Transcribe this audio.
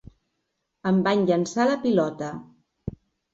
Em van llançar la pilota.